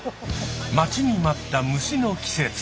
待ちに待った虫の季節。